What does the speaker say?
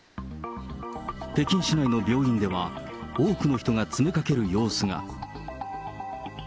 北京市内の病院では、多くの人が詰めかける様子が。